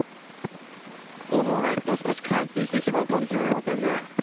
このままいくと、冠水してしまうかもしれませんね。